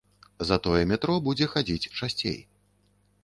Затое метро будзе хадзіць часцей.